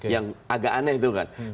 yang agak aneh itu kan